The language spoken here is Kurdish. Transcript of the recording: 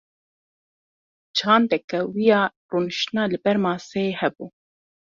Çandeke wî ya rûniştina li ber maseyê hebû.